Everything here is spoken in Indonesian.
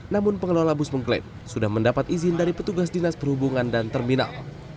namun pengelola bus mengklaim sudah mendapat izin dari petugas dinas perhubungan dan terminal